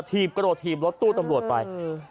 กระโดดถีบรถตู้ตำรวจไป